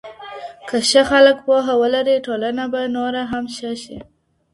که ښه خلک پوهه ولري، ټولنه به نوره هم ښه شي.